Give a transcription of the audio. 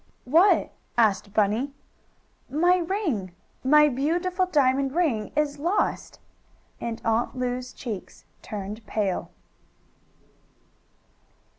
"What?" asked Bunny. "My ring! My beautiful diamond ring is lost!" And Aunt Lu's cheeks turned pale.